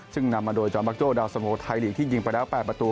ซึ่งนำมาโดยจอมปักโจ้ดาวสมุทรไทยลีกที่ยิงประดับ๘ประตู